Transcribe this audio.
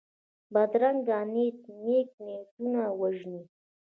بدرنګه نیت نېک نیتونه وژني